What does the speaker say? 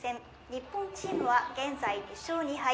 日本チームは現在２勝２敗。